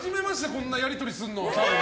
こんなやり取りするのは。